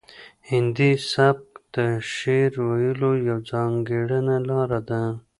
هندي سبک د شعر ویلو یوه ځانګړې لار ده